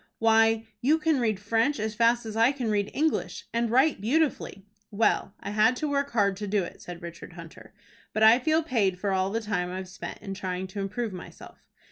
"Why, you can read French as fast as I can read English, and write beautifully." "Well, I had to work hard to do it," said Richard Hunter. "But I feel paid for all the time I've spent in trying to improve myself.